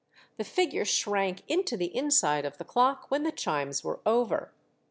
The figure shrank into the inside of the clock when the chimes were over.